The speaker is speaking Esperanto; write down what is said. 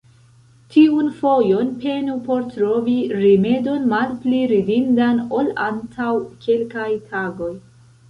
Tiun fojon, penu por trovi rimedon malpli ridindan, ol antaŭ kelkaj tagoj!